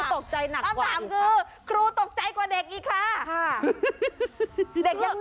ทำไมครูตกใจหนักกว่าอีกค่ะ